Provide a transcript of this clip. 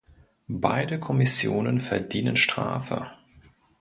Beide Kommissionen verdienen Strafe.